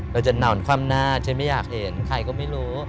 เราจะนอนคว่ำหน้าฉันไม่อยากเห็นใครก็ไม่รู้